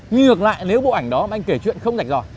ngược lại nếu bộ ảnh đó mà anh kể chuyện không dành dò